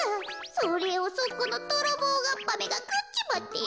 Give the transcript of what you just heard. それをそこのどろぼうがっぱがくっちまってよ。